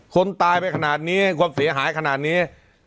คนตายไปขนาดนี้ความเสียหายขนาดนี้